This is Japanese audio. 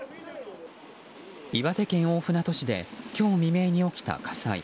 岩手県大船渡市で今日未明に起きた火災。